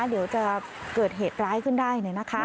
เดี๋ยวจะเกิดเหตุร้ายขึ้นได้